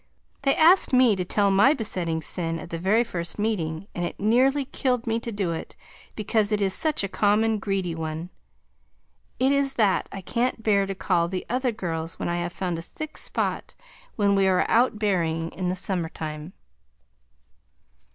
They asked me to tell my besetting sin at the very first meeting, and it nearly killed me to do it because it is such a common greedy one. It is that I can't bear to call the other girls when I have found a thick spot when we are out berrying in the summer time.